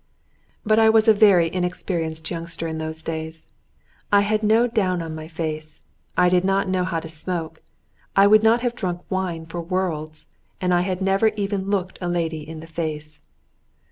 But I was a very inexperienced youngster in those days. I had no down on my face, I did not know how to smoke, I would not have drunk wine for worlds, and had never even looked a lady in the face.